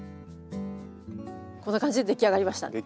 こんな感じで出来上がりました。